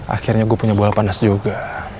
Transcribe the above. akhirnya gue punya bola panas juga